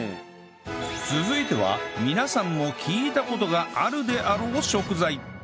続いては皆さんも聞いた事があるであろう食材